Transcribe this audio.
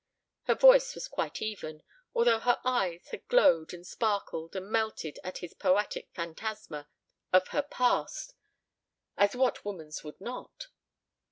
Her voice was quite even, although her eyes had glowed and sparkled and melted at his poetic phantasma of her past (as what woman's would not?).